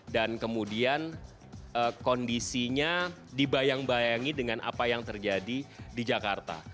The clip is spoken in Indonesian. dan kemudian kondisinya dibayang bayangi dengan apa yang terjadi di jakarta